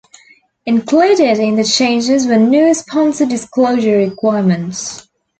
Included in the changes were new sponsor disclosure requirements.